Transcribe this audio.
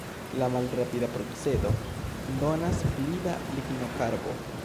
La malrapida procedo donas pli da lignokarbo.